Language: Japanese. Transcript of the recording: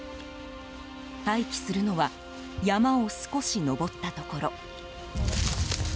待機するのは山を少し登ったところ。